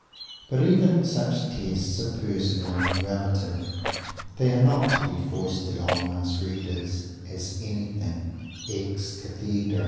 But even such tests are personal and relative. They are not to be foisted on one's readers as anything "ex cathedra."